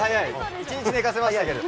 １日寝かせましたけど。